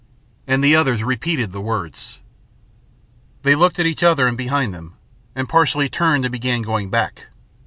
And the others repeated the words. They looked at each other and behind them, and partly turned and began going back.